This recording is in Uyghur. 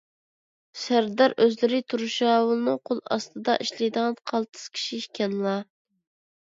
سەردار، ئۆزلىرى تۇرشاۋۇلنىڭ قول ئاستىدا ئىشلەيدىغان قالتىس كىشى ئىكەنلا.